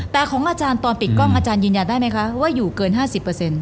แต่ของอาจารย์ตอนปิดกล้องอาจารย์ยืนยันได้ไหมคะว่าอยู่เกิน๕๐